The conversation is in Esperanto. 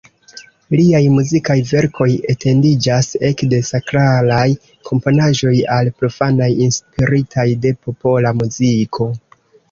Liaj muzikaj verkoj etendiĝas ekde sakralaj komponaĵoj al profanaj inspiritaj de popola muziko.